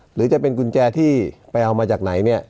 หรือจะเป็นกุญแจที่ไปเอามาจากไหนเนี่ย